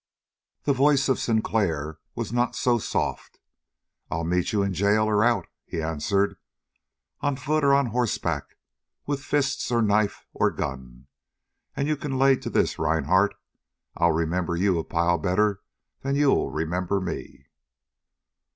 The voice of Sinclair was not so soft. "I'll meet you in jail or out," he answered, "on foot or on horseback, with fists or knife or gun. And you can lay to this, Rhinehart: I'll remember you a pile better'n you'll remember me!"